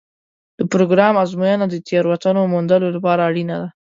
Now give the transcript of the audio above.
د پروګرام ازموینه د تېروتنو موندلو لپاره اړینه ده.